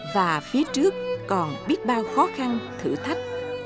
và phía trước còn biết bao khó khăn thử thách